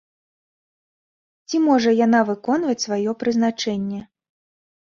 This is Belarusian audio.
Ці можа яна выконваць сваё прызначэнне?